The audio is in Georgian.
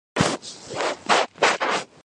წყლის ფრინველებს ემსახურება გამოსაზამთრებლად.